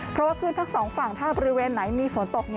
เพราะว่าขึ้นทั้งสองฝั่งถ้าบริเวณไหนมีฝนตก